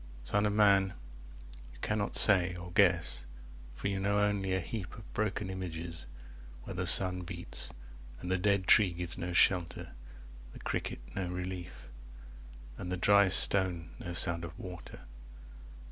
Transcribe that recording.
Son of man, 20 You cannot say, or guess, for you know only A heap of broken images, where the sun beats, And the dead tree gives no shelter, the cricket no relief, And the dry stone no sound of water.